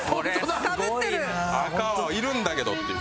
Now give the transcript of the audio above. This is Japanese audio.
赤はいるんだけどっていう。